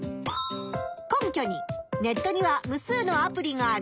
根拠に「ネットにはむ数のアプリがある。